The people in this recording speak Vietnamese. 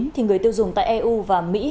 thì người tiêu dùng tại eu và mỹ